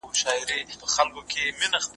مننليک